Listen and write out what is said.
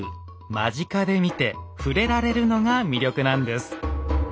間近で見て触れられるのが魅力なんです。